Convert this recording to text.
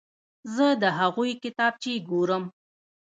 زه د هغوی کتابچې ګورم.